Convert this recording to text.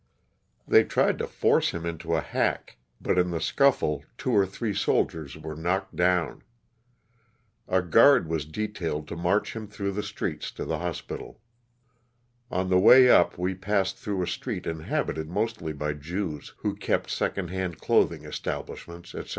They tried to force him into a hack, but in the scuffle two or three soldiers were knocked down. A guard was detailed to march him through the streets to the hospital. On the way up we passed through a street inhabited mostly by Jews, who kept second hand clothing estab lishments, etc.